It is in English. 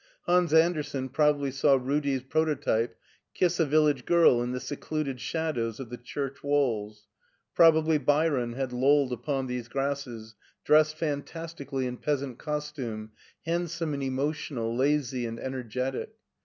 Hans Andersen probably saw Rudi's prototype kiss a village girl in the secluded shadows of the church walls; probably Byron had lolled upon these grasses, dressed fantastically in peas ant costume, handsome and emotional, lazy and ener getic.